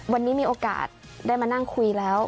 วันนี้มีโอกาสได้มานั่งคุยแล้ว